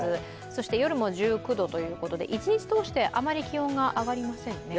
そして夜も１９度ということで、一日通して、あまり気温が上がりませんね。